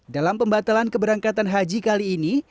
dalam pembatalan keberangkatan haji kali ini